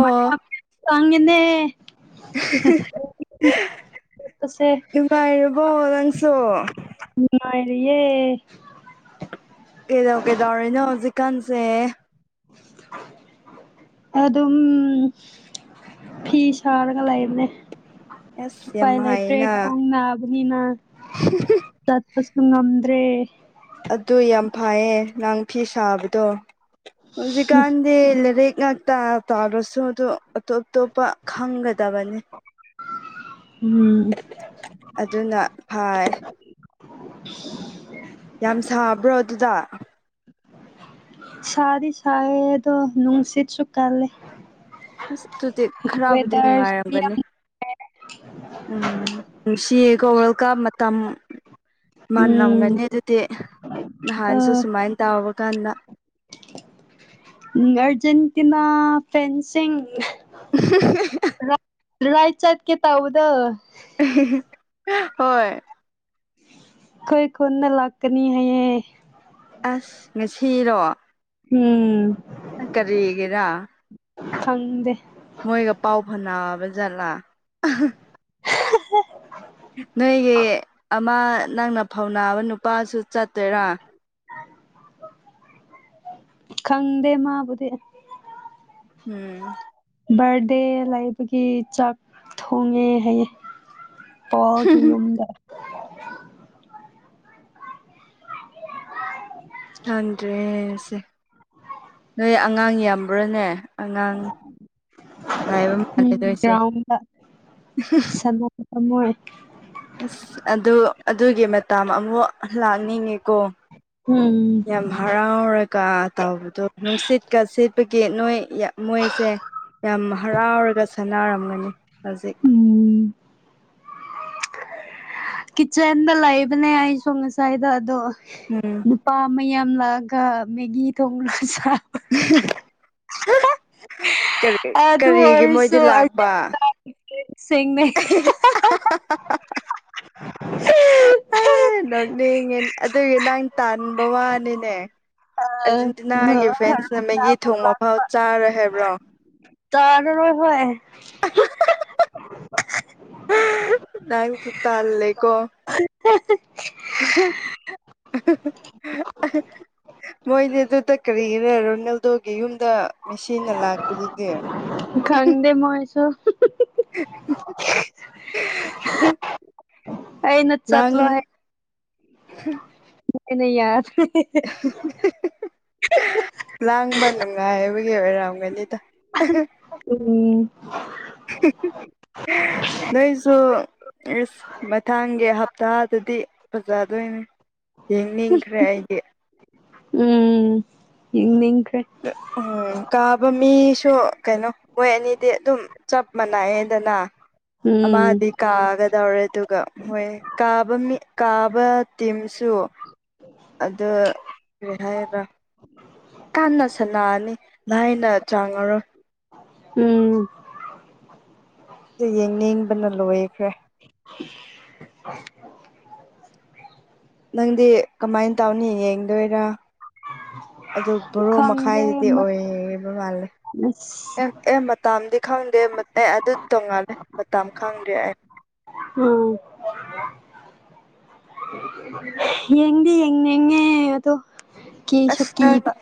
ꯃ ꯆꯉꯅꯦ [unintelligible] ꯆꯠꯄꯁꯦ ꯅꯨꯡꯉꯥꯏꯔꯨꯔꯕꯣ ꯂꯪꯁꯨꯣ ꯇꯔꯦ ꯀꯩꯗꯧ ꯀꯩꯗꯧꯔꯅꯣ ꯍꯧꯖꯤꯛꯀꯥꯟꯁꯦ ꯑꯗꯨ ꯑꯗꯨꯝ ꯐꯤ ꯁꯥꯔꯒ ꯂꯥꯏꯔꯅꯦ ꯑꯁ ꯌꯥꯝ ꯄꯥꯏ ꯂ ꯍꯥꯏꯌꯦꯅ ꯇ꯭ꯔꯦꯦꯛ ꯑꯣꯅꯥꯕꯅꯤꯅ ꯇ ꯑꯁꯁꯨ ꯉꯝꯗ꯭ꯔꯦ ꯑꯗꯨ ꯌꯥꯝ ꯐꯩꯌꯦ ꯉꯥꯡ ꯐꯤ ꯁꯥꯕꯗꯣ ꯍꯧꯖꯤꯛꯀꯥꯟꯗꯤ ꯂꯥꯏꯔꯤꯛ ꯉꯥꯛ ꯇꯥꯔꯁꯨ ꯑꯗꯨ ꯑꯇꯣꯞ ꯑꯇꯣꯞꯄ ꯈꯪꯒꯗꯕꯅꯤ ꯎꯝ ꯑꯗꯨꯅ ꯐꯩ ꯌꯥꯝ ꯁꯥꯕ꯭ꯔꯣ ꯑꯗꯨꯗ ꯁꯗꯤ ꯁꯗꯣ ꯅꯨꯡꯁꯤꯠꯁꯨ ꯀꯂꯦ ꯑꯁ ꯑꯗꯨꯗꯤ ꯈꯔꯕꯨꯗꯤ ꯌꯥꯝ ꯅꯨꯡꯉꯥꯏꯔꯝꯒꯅꯤ ꯎꯝ ꯅꯨꯡꯁꯤ ꯣꯔꯦꯜ ꯀ ꯃꯇꯝ ꯎꯝ ꯃꯥꯟꯂꯒꯅꯦ ꯑꯗꯨꯗꯤ ꯅꯍꯥꯟꯁꯦ ꯑꯥ ꯁꯨꯃꯥꯏꯅ ꯇꯥꯕ ꯀꯥꯟꯗ ꯎꯝ ꯑꯔꯖꯦꯟꯇꯤꯅꯥ ꯐꯦꯟꯁꯤ [unintelligible] ꯔꯥꯏ ꯆꯥꯠ ꯀꯦ ꯇꯎꯗ ꯍꯣꯏ ꯀꯣꯏ ꯈꯨꯨꯅ ꯂꯀꯅꯤ ꯍꯥꯏꯌꯦ ꯑꯁ ꯉꯁꯤꯔꯣ ꯎꯝ ꯀꯔꯤꯒꯦꯗ ꯐꯪꯗꯦ ꯃꯣꯏꯒ ꯄꯥꯎ ꯐꯕ ꯠꯂꯥ ꯅꯣꯏꯒꯤ ꯑꯃ ꯅꯪꯅ ꯐꯧꯅꯥꯕ ꯅꯨꯄꯥꯁꯨ ꯆꯠꯇꯣꯏꯔꯥ ꯈꯪꯗꯦ ꯃꯥꯕꯨꯙꯦ ꯎꯝ ꯕꯥꯔꯗꯦ ꯂꯩꯕꯒꯤ ꯆꯥꯛ ꯊꯣꯡꯉꯦ ꯍꯥꯏꯌꯦꯦ ꯄꯒ ꯌꯗ ꯈꯪꯗ꯭ꯔꯦꯁꯦ ꯅꯣꯏ ꯑꯉꯥꯡ ꯌꯥꯝꯕ꯭ꯔꯥꯅꯦ ꯑꯉꯥꯡ ꯂꯥꯏꯕ ꯎꯝ ꯃꯥꯂꯦꯗꯣꯏꯁꯦ ꯒ꯭ꯔꯥꯎꯟꯗ ꯁꯥꯟꯅꯕ ꯃꯣꯏ ꯑꯁ ꯑꯗꯨ ꯑꯗꯨꯒꯤ ꯃꯇꯥ ꯑꯃꯨꯛ ꯂꯥꯛꯅꯤꯡꯉꯤꯀꯣ ꯎꯝ ꯌꯥꯝ ꯍꯥꯔ ꯔꯥ ꯀꯥ ꯇꯥꯎꯕꯗꯣ ꯅꯨꯡꯁꯤꯠꯀ ꯁꯤꯦꯠꯄꯒꯤ ꯅꯣꯏ ꯃꯣꯏꯁꯦ ꯌꯥꯝ ꯍꯔꯥꯎꯔꯒ ꯁꯥꯟꯅꯔꯝꯒꯅꯤ ꯍꯧꯖꯤꯛ ꯎꯝ ꯀꯤꯆꯟꯗ ꯂꯩꯕꯅꯦ ꯑꯩ ꯁꯣ ꯉꯁꯥꯏꯗ ꯑꯗꯣ ꯎꯝ ꯅꯨꯄꯥ ꯃꯌꯥꯝ ꯂꯥꯛꯑꯒ ꯃꯦꯒꯤ ꯊꯣꯡꯡꯂꯂ ꯆ [unintelligible] ꯑꯗꯨ ꯀꯔꯤꯒꯤ ꯃꯣꯏꯗꯤ ꯂꯥꯛꯄ ꯁꯦꯡꯅꯦ ꯑ ꯅꯣꯛꯅꯤꯡꯉꯦ ꯑꯗꯨꯒꯤ ꯅꯪ ꯇꯥꯟꯕ ꯋꯥꯅꯤꯅꯦ ꯑꯥꯔꯖꯦꯟꯇꯤꯅꯥꯒꯤ ꯐꯦꯟꯁꯅ ꯃꯦꯒꯤ ꯊꯣꯡ ꯃꯐꯥꯎ ꯆꯥꯔꯣꯏ ꯍꯥꯏꯕ꯭ꯔꯣ ꯆꯥꯔꯔꯣꯏ ꯍꯣꯏ ꯅꯥꯡ ꯆ ꯇꯜ ꯂꯩꯀꯣ [unintelligible] ꯃꯣꯏꯅꯦ ꯑꯗꯨꯗ ꯀꯔꯤꯒꯤꯔ ꯔꯣꯅꯦꯜꯗꯣꯒꯤ ꯌꯨꯝꯗ ꯃꯦꯁꯤꯟꯅ ꯂꯥꯛꯄꯗꯨꯗꯤ ꯈꯪꯗꯦ ꯃꯣꯏꯁꯨ ꯑ [unintelligible] ꯑꯩ ꯅ ꯆꯠꯂ ꯍꯥꯏ ꯎꯝ ꯅ ꯅ ꯌꯥꯔ [unintelligible] ꯂꯥꯡꯕ ꯅꯨꯡꯉꯥꯏꯕꯒꯤ ꯑꯣꯏꯔꯝꯒꯅꯤꯗ ꯎꯝ ꯅꯣꯏꯁꯨꯁ ꯃꯊꯪꯒꯤ ꯍꯞꯇꯥꯗꯗꯤ ꯐꯖꯗꯣꯏꯅꯦ ꯌꯦꯡꯅꯤꯡꯈ꯭ꯔꯦ ꯑꯩꯗꯤ ꯎꯝ ꯍꯅꯤ ꯎꯝ ꯀꯥꯕ ꯃꯤꯁꯨ ꯀꯩꯅꯣ ꯃꯣꯏ ꯑꯅꯤꯗꯤ ꯑꯗꯨꯝ ꯆꯞ ꯃꯅꯥ ꯌꯦꯗꯅ ꯑ ꯎꯝ ꯃꯥꯗꯤ ꯀꯥꯒ ꯇꯧꯔꯦ ꯑꯗꯨꯒ ꯃꯣꯏ ꯀꯥꯕ ꯃꯤ ꯀꯥꯕ ꯇꯤꯝꯁꯨ ꯑꯗꯨ ꯀꯔꯤ ꯍꯥꯏꯔ꯭ꯔ ꯂꯥꯏꯅ ꯆꯪꯉꯔꯣꯏ ꯎꯝ ꯦ ꯌꯦꯡꯅꯤꯡꯕꯅ ꯂꯣꯏꯈ꯭ꯔꯦ [inaudible] [unintelligible] ꯅꯪꯗꯤ ꯀꯃꯥꯏꯅ ꯇꯧꯅꯤ ꯌꯦꯡꯗꯣꯏꯔꯥ ꯑꯗꯨ ꯕꯣꯔꯣ ꯈꯪꯗ꯭ꯔꯦ ꯃꯈꯥꯏꯁꯤꯗꯤ ꯑꯣꯏꯕ ꯃꯥꯜꯂꯦ ꯑꯁ ꯑꯦ ꯑꯦ ꯃꯇꯥꯥꯡꯗ ꯈꯥꯗ ꯑꯦ ꯑꯗꯨ ꯇꯣꯡꯉꯥꯜꯂꯦ ꯃꯇꯝ ꯈꯪꯗ꯭ꯔꯦ ꯑꯩ ꯎꯝ ꯌꯦꯡꯗꯤ ꯌꯦꯡ ꯌꯦꯉꯦ ꯑꯗꯣ ꯀꯤꯁꯨ ꯑꯁ ꯅꯪ ꯀꯤꯕ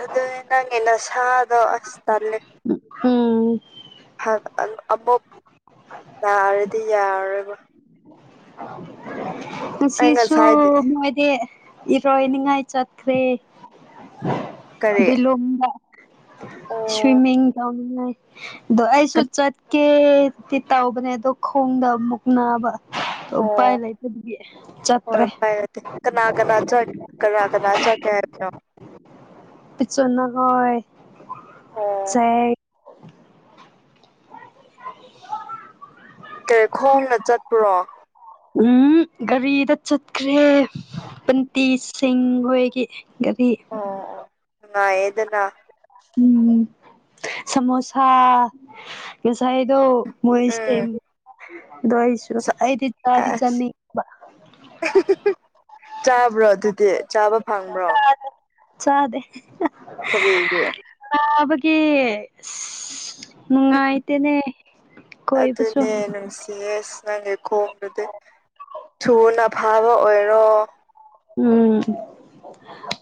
ꯑꯗꯨ ꯅꯪ ꯅ ꯁꯥꯥꯗꯣ ꯑꯁꯇꯥꯜꯦ ꯎꯝ ꯑꯃꯨꯛ ꯂꯥꯔꯗꯤ ꯌꯥꯔꯕ ꯉꯁꯤꯁꯨ ꯉꯁꯥꯏꯗꯤ ꯃꯣꯏꯗꯤ ꯏꯔꯣꯏꯅꯤꯉꯥꯏ ꯆꯠꯈ꯭ꯔꯦ ꯀꯔꯤ ꯂꯣꯡꯗ ꯑꯣ ꯁ꯭ꯋꯤꯃꯤꯡ ꯇꯎꯉꯥꯏ ꯑꯗꯣ ꯑꯩꯁꯨ ꯆꯠꯀꯦꯗꯤ ꯇꯧꯕꯅꯦ ꯑꯗꯣ ꯈꯣꯡꯗ ꯑꯃꯨꯛ ꯅꯥꯕ ꯎ ꯄꯥꯏ ꯑꯣ ꯂꯩ ꯏ ꯍꯣꯏ ꯆꯠꯇ꯭ꯔꯦ ꯄꯥꯏꯔꯗꯤ ꯀꯅꯥ ꯀꯅꯥ ꯆꯠ ꯀꯅꯥ ꯀꯅꯥ ꯆꯠꯀꯦ ꯍꯥꯏꯕꯅꯣ ꯄꯆꯅꯥ ꯍꯣꯏ ꯑꯣ ꯆꯦꯛ [inaudible] ꯀꯔꯤ ꯈꯣꯡꯅ ꯆꯠꯄꯨꯔꯣ ꯎꯝ ꯒꯥꯔꯤꯗ ꯆꯠꯈ꯭ꯔꯦ ꯟꯇ ꯁꯤꯡ ꯍꯣꯏꯒꯤ ꯉꯔꯤ ꯑ ꯑꯦꯅ ꯎꯝ ꯁꯣꯁꯥ ꯃꯣꯁꯥꯏꯣ ꯃꯣꯏ ꯏꯁ ꯎꯝ ꯗꯣꯣꯏꯁꯨꯁꯨ ꯑꯁ ꯑꯩꯗꯤ ꯇꯗꯤ ꯆꯅꯤ ꯆꯥꯕ꯭ꯔꯣ ꯑꯗꯨꯗꯤ ꯆꯥꯕ ꯐꯪꯕ꯭ꯔꯣ ꯆꯗꯦ ꯁꯔꯒ ꯑꯕꯒꯤ ꯅꯨꯡꯉꯥꯏꯇꯦꯅꯦ ꯀꯣꯏꯕꯁꯨ ꯑꯗꯨꯅꯦ ꯅꯨꯡꯁꯤꯌꯦ ꯑꯁ ꯅꯪꯒꯤ ꯈꯣꯗꯨꯗꯤ ꯊꯨꯅ ꯐꯥꯕ ꯑꯣꯏꯔꯣ ꯎꯝ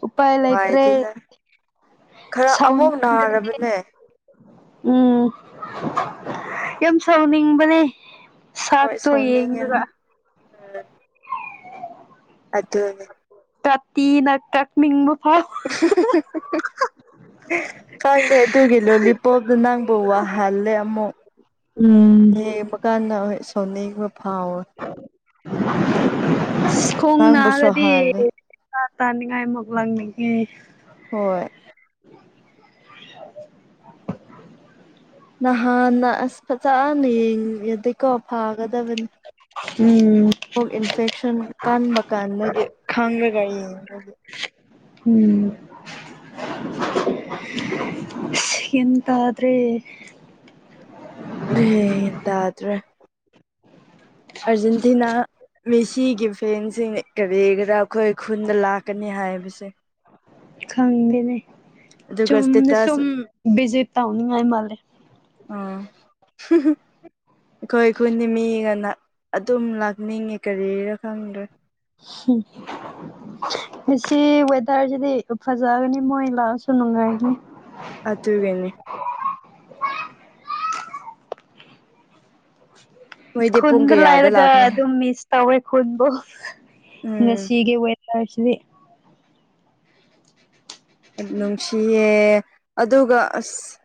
ꯎꯄꯥꯏ ꯂꯩꯇ꯭ꯔꯦ ꯅꯨꯡꯉꯥꯏꯇꯦꯅꯦ ꯈꯔ ꯁꯥꯎꯟ ꯑꯃꯨꯛ ꯅꯥꯔꯕꯅꯦ ꯎꯝ ꯌꯥꯝ ꯁꯥꯎꯅꯤꯡꯕꯅꯦ ꯍꯣꯏ ꯁꯥꯠꯇꯣ ꯁꯥꯎꯅꯤꯡꯉꯦꯅꯦ ꯌꯦꯉꯗ ꯑꯗꯨ ꯀꯠꯇꯤ ꯅ ꯀꯛ ꯃꯨꯞ [unintelligible] ꯈꯪꯗꯦ ꯑꯗꯨꯒꯤ ꯂꯣꯂꯤꯄꯣꯞꯇ ꯅꯪꯕꯨ ꯋꯥꯍꯜꯂꯦ ꯑꯃꯨꯛ ꯎꯝ ꯌꯦ ꯃꯈꯀꯥꯟꯅ ꯁꯣꯟꯅ ꯃ ꯐꯥꯑꯣ ꯅꯪꯕꯨꯁꯨ ꯈꯣꯡꯣꯡꯅꯒꯗꯤ ꯍꯥꯜꯂꯦ ꯇꯥ ꯇꯥꯅꯤꯡꯉꯥꯏ ꯑꯃꯨꯛ ꯂꯪꯅꯤꯒꯤ ꯍꯣꯏ [inaudible] ꯅꯍꯥꯟꯅ ꯑꯁ ꯐꯖꯅ ꯌꯦꯡꯉꯗꯤꯀꯣ ꯎꯝ ꯃꯣꯛ ꯏꯟꯐꯦꯛꯁꯟ ꯀꯟꯕ ꯀꯥꯟꯗꯣꯏꯗꯤ ꯈꯪꯔꯒ ꯌꯦꯡꯉꯒꯤ ꯎꯝ ꯌꯦꯗꯗ꯭ꯔꯦ ꯍ ꯏꯟꯗꯗ꯭ꯔꯦ ꯑꯥꯔꯖꯦꯟꯇꯤꯅꯥ ꯃꯤꯁꯤꯒꯤ ꯐꯦꯟꯁꯤꯡ ꯀꯔꯤꯒꯔꯥ ꯑꯩꯈꯣꯏ ꯈꯨꯟꯗ ꯂꯥꯛꯀꯅꯤ ꯍꯥꯏ ꯊꯦ ꯄꯁ ꯈꯪꯗꯅꯦ ꯑꯗꯨꯒ ꯆꯨꯝꯅ ꯁ꯭ꯇꯦꯇꯁ ꯁꯨꯝ ꯕꯤꯖꯤꯦ ꯇꯧꯅꯤꯡꯉꯥꯏ ꯃꯥꯜꯂꯦ ꯍ ꯑꯩꯈꯣꯏ ꯈꯨꯟꯗꯤ ꯃꯤꯒꯅ ꯑꯗꯨꯝ ꯂꯥꯛꯅꯤꯡꯉꯤ ꯀꯔꯤꯔ ꯈꯪꯗ꯭ꯔꯦ ꯎꯝ ꯑꯁꯤ ꯋꯦꯗꯔꯁꯤꯗꯤ ꯐꯖꯒꯅꯤ ꯃꯣꯏ ꯂꯥꯛꯑꯁꯨ ꯅꯨꯡꯉꯥꯏꯅꯤ ꯑꯗꯨ ꯑꯗꯨꯒꯅꯤ [inaudible] ꯃꯣꯏꯗꯤ ꯄꯨꯡ ꯀꯌꯥꯗ ꯈꯨꯟꯂꯥꯏꯔꯒ ꯂꯥꯛꯀꯅꯤ ꯑꯗꯨꯝ ꯃꯤꯁ ꯇꯧꯦ ꯍꯨꯟꯕ ꯎꯝ ꯉꯁꯤꯒꯤ ꯋꯦꯗꯔꯁꯤꯗꯤ ꯅꯨꯡꯁꯤꯌꯦ ꯑꯗꯨꯒ ꯑꯁ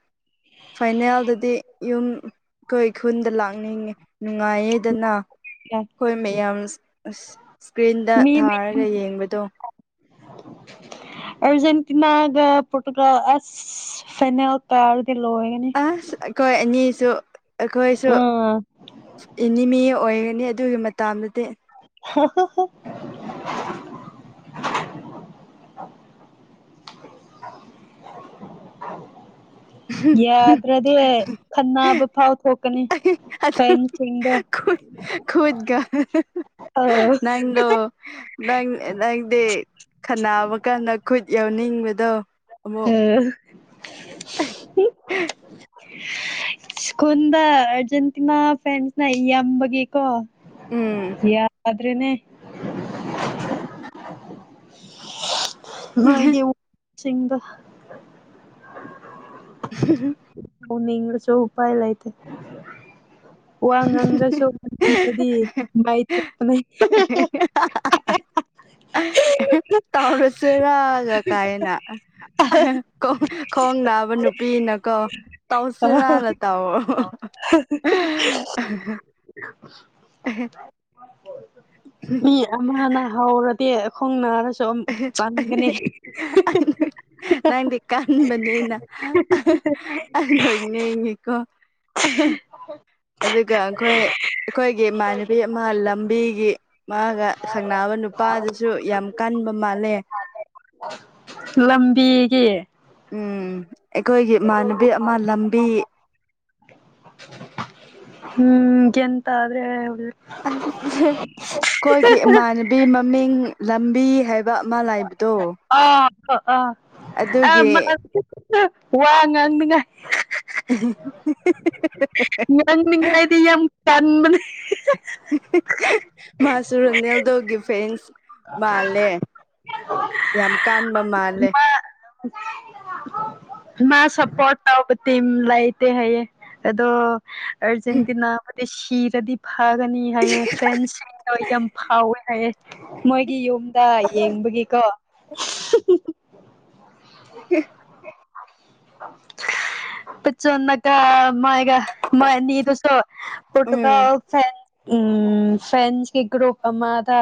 ꯐꯥꯏꯅꯦꯜꯗꯗꯤ ꯌꯨꯝ ꯑꯩꯈꯣꯏ ꯈꯨꯟꯗ ꯂꯥꯛꯅꯤꯡꯉꯤ ꯅꯨꯡꯉꯥꯏꯌꯦꯗꯅ ꯑꯩꯈꯣꯏ ꯃꯌꯥꯝ ꯑꯁ ꯏꯁꯀ꯭ꯔꯤꯟꯗ ꯃꯤ ꯊꯥꯔꯒ ꯌꯦꯡꯕꯗꯣ ꯑꯔꯖꯦꯟꯇꯤꯅꯥꯒ ꯄꯣꯇꯨꯒ ꯑꯁ ꯐꯅꯦꯜ ꯀꯥ ꯑꯁ ꯑꯩꯈꯣꯏ ꯑꯅꯤꯁꯨ ꯑꯩꯈꯣꯏꯁꯨ ꯎꯝ ꯑꯦꯅꯤꯃꯤ ꯑꯣꯏꯒꯅꯤ ꯑꯗꯨꯒꯤ ꯃꯇꯥꯡꯗꯗꯤ [inaudible] ꯌꯥꯗ꯭ꯔꯗꯤ ꯈꯟꯅꯕ ꯐꯥꯎ ꯊꯣꯛꯀꯅꯤ ꯐ ꯐꯦꯟꯁꯤꯡꯗꯣ ꯑꯗꯨꯣꯏ ꯈꯣꯏꯠꯒ ꯑꯥ ꯅꯪꯅꯣ ꯅꯪ ꯅꯪꯗꯤ ꯈꯅꯥꯕ ꯀꯥꯟꯗ ꯈꯨꯠ ꯌꯥꯎꯅꯤꯡꯕꯗꯣ ꯎꯝ ꯍ ꯁ꯭ꯀꯨꯜꯗ ꯑꯔꯖꯦꯟꯇꯤꯅꯥ ꯐꯦꯟꯁꯅ ꯏꯕꯒꯤꯀꯣ ꯎꯝ ꯌꯥꯗ꯭ꯔꯦꯅꯦ ꯃꯣꯏꯒꯤ ꯋꯥꯁꯤꯡꯗ ꯎ ꯑꯅꯤꯡꯁꯨ ꯎꯄꯥꯏ ꯂꯥꯏꯇ ꯋꯥ ꯉꯥꯡꯗ꯭ꯔꯁꯨ ꯋꯥꯪꯗꯗꯤ ꯃꯥꯏꯊꯄꯅꯩ [inaudible] ꯆꯔꯥꯒ ꯀꯥꯏꯅ ꯈꯣꯡ ꯅꯥꯕ ꯅꯨꯄꯤꯅꯀꯣ ꯇꯧꯁꯤꯔꯥꯂ ꯇꯑꯣꯣ [inaudible] ꯃꯤ ꯑꯃꯅ ꯍꯧꯔꯗꯤ ꯈꯣꯡ ꯅꯥꯔꯁꯨ ꯆꯪꯒꯅꯤ ꯎ ꯅꯪꯗꯤ ꯀꯥꯟꯕꯅꯦꯅ ꯑꯗꯨꯅ ꯏꯅꯦ ꯏꯉꯀꯣ ꯑꯗꯨꯒ ꯑꯩꯈꯣꯏ ꯑꯩꯈꯣꯏꯒꯤ ꯏꯃꯥꯟꯅꯕꯤ ꯑꯃ ꯂꯝꯕꯤꯒꯤ ꯃꯥꯒ ꯁꯪꯅꯕ ꯅꯨꯄꯥꯗꯨꯁꯨ ꯌꯥꯝ ꯀꯟꯕ ꯃꯥꯜꯂꯦ ꯂꯝꯝꯕꯤ ꯎꯝ ꯑꯩꯈꯣꯏꯒꯤ ꯏꯃꯥꯟꯅꯕꯤ ꯑꯃ ꯂꯝꯕꯤ ꯎꯝꯒꯇꯗ꯭ꯔꯦ ꯑ ꯑꯩꯈꯣꯏꯒꯤ ꯏꯃꯥꯟꯅꯕꯤ ꯃꯃꯤꯡ ꯂꯝꯕꯤ ꯍꯥꯏꯕ ꯑꯃ ꯂꯩꯕꯗꯣ ꯑ ꯑ ꯑ ꯑꯗꯨꯒꯤ ꯋꯥ ꯉꯥꯡꯅꯤꯉꯥꯏ ꯉꯪꯃꯤꯉꯥꯏꯗꯤ ꯌꯥꯝ ꯀꯟꯕꯅꯦ ꯃꯥꯁꯨꯨꯔꯅꯤꯦꯜꯗꯒꯤ ꯐꯦꯟꯁ ꯃꯥꯜꯂꯦ ꯌꯥꯝ ꯀꯥꯟꯕ ꯃꯥꯜꯂꯦ ꯃꯥ ꯁꯄꯣꯠ ꯇ ꯇꯤꯝ ꯂꯥꯏꯇ ꯍꯥꯏꯌꯦꯦ ꯑꯗꯣ ꯑꯔꯖꯦꯟꯇꯤꯅꯥ ꯃ ꯁꯤꯤꯔꯗꯤ ꯐꯥꯒꯅꯤ ꯍꯥꯏꯑꯦ ꯐ꯭ꯔꯦꯟꯁꯤꯡꯗꯣ ꯌꯥꯝ ꯐꯥꯎꯋꯦ ꯍꯥꯏꯑꯦ ꯃꯣꯏꯒꯤ ꯌꯨꯝ ꯇ ꯌꯦꯡꯕꯒꯤꯀꯣ [unintelligible] ꯆꯣꯟꯅ ꯀ ꯃꯥꯥꯏ ꯃꯅꯤꯗꯨꯁꯨ ꯄꯣꯇꯨꯒ ꯎꯝ ꯐ ꯎꯝ ꯐ꯭ꯔꯦꯟꯁꯀꯤꯒ꯭ꯔꯨꯞꯄ ꯑꯃꯃꯗ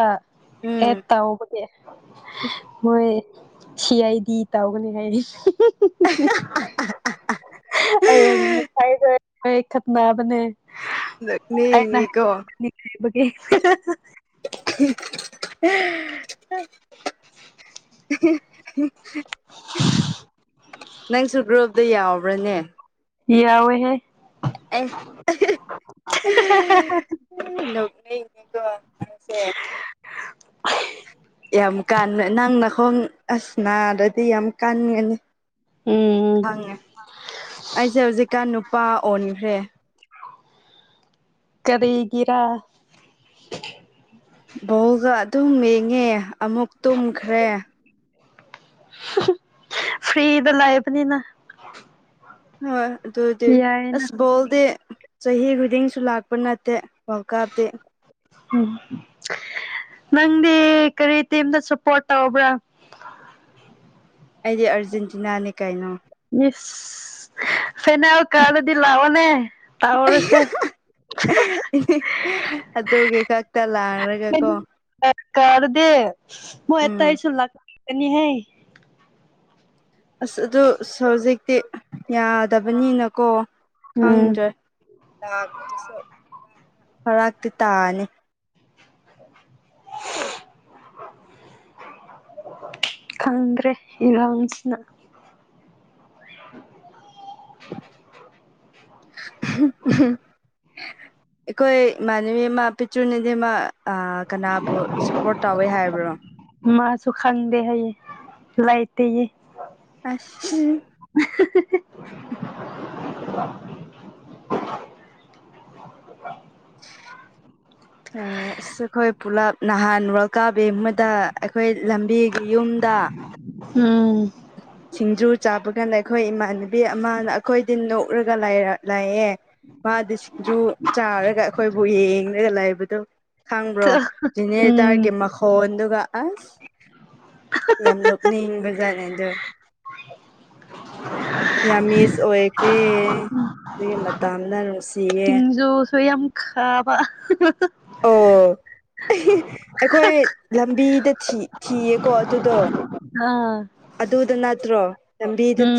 ꯑꯦ ꯎꯝ ꯇ ꯑꯣꯕ ꯃꯣꯏ ꯁꯤ ꯑꯩꯗꯤ ꯇꯧꯒꯅꯤ ꯍꯥꯏꯔꯤꯁ ꯑꯩ ꯉꯁꯥꯏꯈ ꯈꯠꯅꯕꯅꯦ ꯛꯅꯤ ꯑꯩꯅ ꯏꯤꯀꯣ [unintelligible] [unintelligible] ꯅꯪꯁꯨ ꯒ꯭ꯔꯨꯞꯨꯞꯇ ꯌꯥꯎꯕ꯭ꯔꯥꯅꯦ ꯌꯥ ꯌꯥꯋꯣꯏꯍꯦ ꯂꯅꯤ ꯀ ꯑꯁꯦ ꯌꯥꯝ ꯀꯥꯟ ꯅꯪꯅ ꯈꯣꯡ ꯑꯁꯅꯥꯗꯗꯤ ꯌꯥꯝ ꯀꯥꯟꯒꯅꯤ ꯎꯝ ꯈꯪꯉꯦ ꯑꯩꯁꯦ ꯍꯧꯖꯤꯛꯀꯥꯟ ꯅꯨꯄꯥ ꯑꯣꯟꯈ꯭ꯔꯦ ꯀꯔꯤꯩꯒꯔꯥ ꯕꯧꯒ ꯑꯗꯨꯝ ꯃꯡꯉꯦ ꯑꯃꯨꯛ ꯇꯨꯝꯈ꯭ꯔꯦ ꯐ꯭ꯔꯤꯗ ꯂꯑꯕꯅꯤꯅ ꯍꯣꯏ ꯑꯗꯨꯗꯤ ꯑꯁꯕꯣꯜꯗ ꯆꯍꯤ ꯈꯨꯗꯤꯡꯁꯨ ꯂꯥꯛꯄ ꯅꯠꯇꯦ ꯋꯥꯔꯜ ꯀꯞꯇꯤ ꯎꯝ ꯅꯪꯗꯤ ꯀꯔꯤ ꯇꯝꯇ ꯁꯞꯄꯣꯔꯠ ꯇꯧꯕ꯭ꯔꯥ ꯑꯩꯗꯤ ꯑꯥꯔꯖꯦꯟꯇꯤꯅꯥꯅꯦ ꯀꯩꯅꯣ ꯃꯤꯁ ꯐꯦꯅ ꯀꯥꯂꯗꯤ ꯂꯑꯣꯅꯦ ꯇꯕꯔꯁꯦ ꯑ ꯀꯗꯦ ꯃꯨ ꯑꯦꯠꯇ ꯎꯝ ꯍ ꯁ ꯂ ꯑꯅꯤꯍꯦ ꯑꯁ ꯑꯗꯨꯣ ꯁꯖꯤꯛꯇ ꯌꯥꯗꯕꯅꯤꯅꯀꯣ ꯎꯝ ꯈꯪꯗ꯭ꯔꯦ ꯂꯥꯛꯄꯗꯨꯁꯨ ꯍꯔꯥꯛꯇꯤ ꯇꯥꯅꯤ [unintelligible] ꯈꯪꯗ꯭ꯔꯦ ꯏꯔꯥꯡꯁꯤꯅ [unintelligible] ꯐ ꯑꯩꯈꯣꯏ ꯏꯃꯥꯟꯅꯕꯤ ꯑꯃ ꯄꯤꯆꯨꯅꯗꯤꯃ ꯀꯅꯥꯕꯨ ꯁꯞꯄꯣꯔꯠ ꯇꯧꯋꯦ ꯍꯥꯏꯕ꯭ꯔꯣ ꯃꯥꯁꯨ ꯈꯪꯗꯦ ꯍꯥꯏꯌꯦ ꯂꯩꯥꯏꯇꯦꯒꯤ ꯑꯁ ꯎ [unintelligible] [unintelligible] ꯑꯁ ꯑꯩꯈꯣꯏ ꯄꯨꯂꯞ ꯅꯍꯥꯟ ꯔꯜꯀꯥ ꯕꯦꯡ ꯑꯃꯗ ꯑꯩꯈꯣꯏ ꯂꯝꯕꯤꯒꯤ ꯌꯨꯝꯗ ꯎꯝ ꯁꯤꯡꯖꯨ ꯆꯥꯕ ꯀꯥꯟꯗ ꯑꯩꯈꯣꯏ ꯏꯃꯥꯟꯅꯕꯤ ꯑꯃꯅ ꯑꯩꯈꯣꯏꯗꯤ ꯅꯣꯛꯔꯒ ꯂꯥꯛꯑꯦ ꯃꯥꯗꯤ ꯁꯤꯁꯤꯡꯖꯨ ꯆꯥꯔꯒ ꯑꯩꯈꯣꯏꯕꯨ ꯌꯦꯡꯉꯒ ꯂꯩꯥꯏꯕꯗꯣ ꯈꯪꯕ꯭ꯔꯣ ꯎꯝ ꯖꯤꯅꯦꯇꯥꯔꯒꯤ ꯃꯈꯣꯟꯗꯨꯒ ꯑꯁ ꯌꯥꯝ ꯅꯣꯛꯅ ꯏꯕꯖꯥꯔꯅꯦꯗ ꯌꯥꯝ ꯃꯤꯁ ꯑꯣꯏꯈ꯭ꯔꯦ ꯑꯗꯨꯒꯤ ꯃꯇꯝꯗ ꯅꯨꯡꯁꯤꯌꯦꯦ ꯁꯤꯡꯖꯨꯁꯨ ꯌꯥꯝ ꯈꯥꯕ ꯑꯣ ꯑꯩꯈꯣꯏ ꯂꯝꯕꯤꯗ ꯊꯤꯌꯦꯀꯣ ꯑꯗꯨꯗꯣ ꯑꯥ ꯑꯗꯨꯗ ꯅꯠꯇ꯭ꯔꯣ ꯅꯕꯤꯗ ꯎꯝ